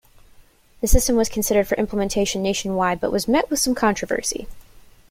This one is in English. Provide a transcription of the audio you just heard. The system was considered for implementation nationwide, but was met with some controversy.